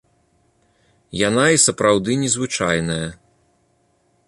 Яна і сапраўды незвычайная.